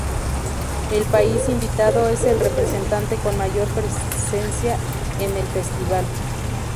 El país invitado es el representante con mayor presencia en el festival.